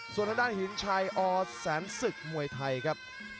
ส่วนทางด้านหินชัยอแสนศึกมวยไทยครับ